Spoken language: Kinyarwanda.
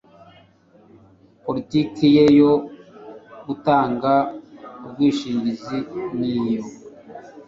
politiki ye yo gutanga ubwishingizi n iyo